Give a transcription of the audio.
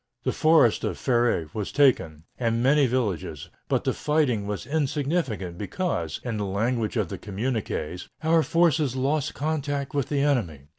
The forest of Fère was taken, and many villages, but the fighting was insignificant because, in the language of the communiqués, "our forces lost contact with the enemy."